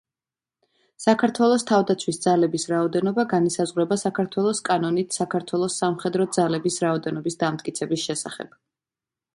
საქართველოს თავდაცვის ძალების რაოდენობა განისაზღვრება საქართველოს კანონით „საქართველოს სამხედრო ძალების რაოდენობის დამტკიცების შესახებ“.